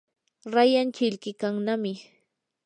rayan chilqikannami.